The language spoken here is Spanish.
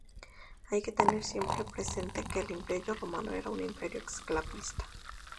Hay que tener siempre presente que el Imperio romano era un imperio esclavista.